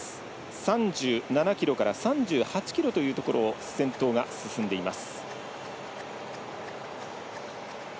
３７ｋｍから３８ｋｍというところを先頭が進んでいます。